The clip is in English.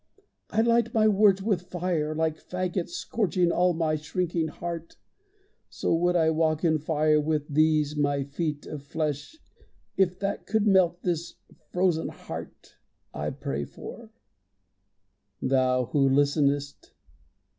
I light my words with fire, Like fagots scorching all my shrinking heart. So would I walk in fire with these my feet Of flesh, if that could melt this frozen heart I pray for. Thou who listenest!